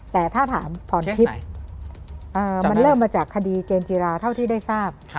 แต่ถ้าถามพรทิพย์มันเริ่มมาจากคดีเจนจิราเท่าที่ได้ทราบ